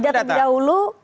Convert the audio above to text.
oke kita harus jeda dulu